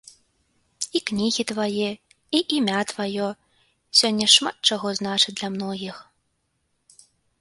І кнігі твае і імя тваё сёння шмат што значаць для многіх.